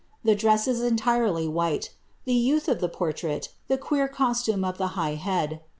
The dress is entirely white ; the y^nth of the portrait, the queer costume of the high head.